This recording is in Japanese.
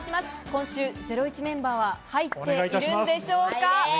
今週『ゼロイチ』メンバーは入っているのでしょうか？